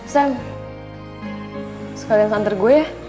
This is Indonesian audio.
sam sekalian santer gue ya